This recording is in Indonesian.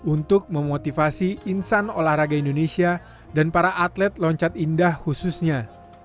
untuk memotivasi insan olahraga indonesia dan para atlet loncat indah khususnya